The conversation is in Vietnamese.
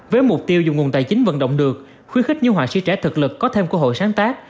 với mục tiêu dùng nguồn tài chính vận động được khuyến khích những họa sĩ trẻ thực lực có thêm cơ hội sáng tác